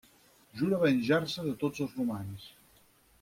Jura venjar-se de tots els romans.